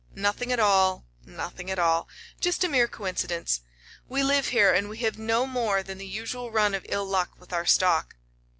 "Nothing at all nothing at all. Just a mere coincidence. We live here and we have no more than the usual run of ill luck with our stock."